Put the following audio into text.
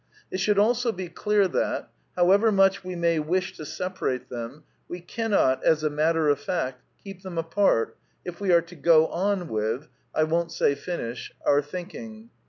It should also be clear that, however much we may wish to separate them, we cannot, as a matter of fact, keep them apart, if we are to go on with — I won't say finish — our thinking.